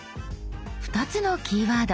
２つのキーワード。